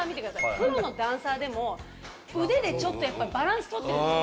プロのダンサーでも腕でちょっとバランス取ってるんですよ。